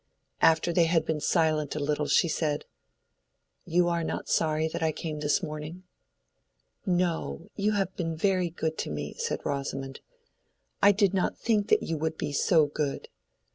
After they had been silent a little, she said— "You are not sorry that I came this morning?" "No, you have been very good to me," said Rosamond. "I did not think that you would be so good.